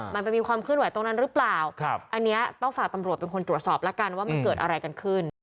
มันไปมีความเคลื่อนไหวตรงนั้นหรือเปล่าอันนี้ต้องฝากตำรวจเป็นคนตรวจสอบแล้วกันว่ามันเกิดอะไรกันขึ้น